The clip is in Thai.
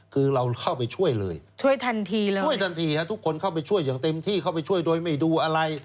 คือเราเข้าไปช่วยเลยช่วยทันทีเลยช่วยทันทีฮะทุกคนเข้าไปช่วยอย่างเต็มที่เข้าไปช่วยโดยไม่ดูอะไร